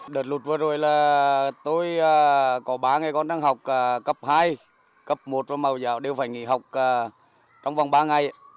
đợt lụt vừa rồi là tôi có ba ngày còn đang học cấp hai cấp một và màu dạo đều phải nghỉ học trong vòng ba ngày